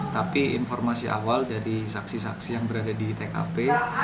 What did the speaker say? tapi informasi awal dari saksi saksi yang berada di tkp